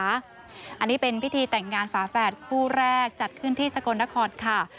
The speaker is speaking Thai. อันนี้เป็นพิธีแต่งงานฝาแฝดคู่แรกจัดขึ้นที่สกลนครค่ะ